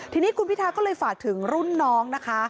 ทีนี้คุณพิทาก็เลยฝากถึงรุ่นน้องนะคะ